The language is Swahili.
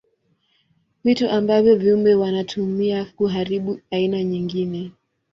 Vitu ambavyo viumbe wanatumia kuharibu aina nyingine.